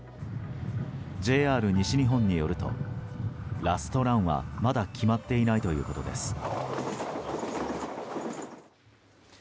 ＪＲ西日本によるとラストランはまだ決まっていないということです。